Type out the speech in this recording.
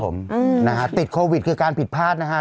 ครับผมติดโควิดคือการผิดพลาดนะฮะ